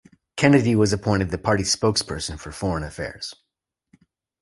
Kennedy was appointed the party's spokesperson for foreign affairs.